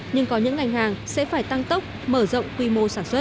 nhưng có những ngành hàng sẽ phải tăng tốc mở rộng quy mô sản xuất